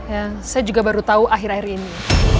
ya saya juga baru tahu akhir akhir ini